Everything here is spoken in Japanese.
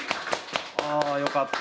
ああよかった。